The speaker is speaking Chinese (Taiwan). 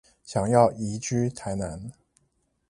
想要移居台南